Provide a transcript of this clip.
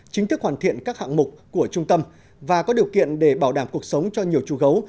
chính thức hoàn thiện các hạng mục của trung tâm và có điều kiện để bảo đảm cuộc sống cho nhiều chú gấu